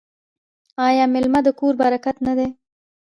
آیا میلمه د کور برکت نه دی؟